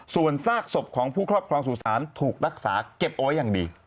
ส่วนซากศพของผู้ครอบครองสู่สารถูกรักษาเก็บเอาไว้อย่างดี